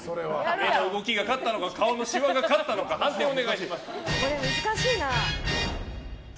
目の動きが勝ったのか顔のしわが勝ったのか判定をお願いします。